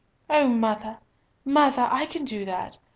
"O mother, mother, I can do that.